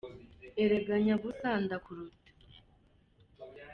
Erega nyabusa ndakuruta